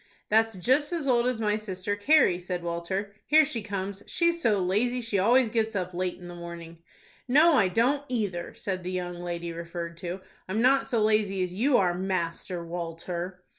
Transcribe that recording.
"That's just as old as my sister Carrie," said Walter; "here she comes. She's so lazy she always gets up late in the morning." "No, I don't either," said the young lady referred to; "I'm not so lazy as you are, Master Walter."